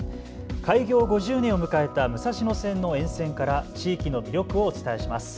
開業５０年を迎えた武蔵野線の沿線から地域の魅力をお伝えします。